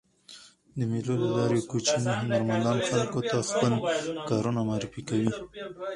د مېلو له لاري کوچني هنرمندان خلکو ته خپل کارونه معرفي کوي.